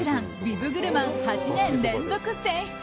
ビブグルマン８年連続選出。